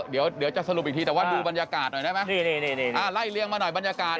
เดี๋ยวจะสรุปอีกทีแต่ว่าดูบรรยากาศหน่อยได้ไหมไล่เลี่ยงมาหน่อยบรรยากาศ